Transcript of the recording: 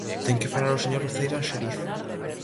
Ten que falar o señor Uceira Anxeriz.